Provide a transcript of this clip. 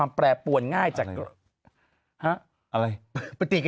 ไม่ต้องจุดกร